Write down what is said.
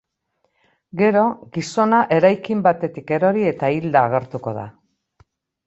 Gero, gizona eraikin batetik erori eta hilda agertuko da.